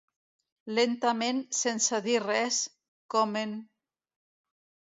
Lentament, sense dir res, comen